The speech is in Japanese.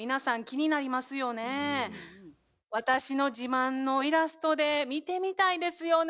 私の自慢のイラストで見てみたいですよね